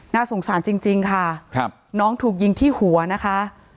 น่าสงสารจริงค่ะน้องถูกยิงที่หัวนะคะ